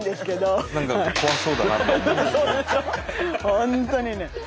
本当にね。